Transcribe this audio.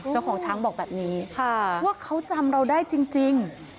เจ้าของช้างบอกแบบนี้ว่าเขาจำเราได้จริง